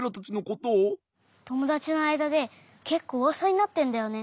ともだちのあいだでけっこううわさになってんだよね。